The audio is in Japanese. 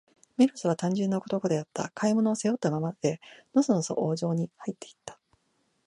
メロスは、単純な男であった。買い物を、背負ったままで、のそのそ王城にはいって行った。